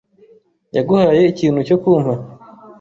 yaguhaye ikintu cyo kumpa?